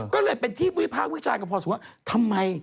ก็เลยเป็นที่พุทธภาควิชาญกับพ่อสูงวะ